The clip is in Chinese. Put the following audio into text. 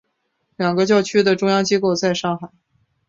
两个教区的中央机构在上海。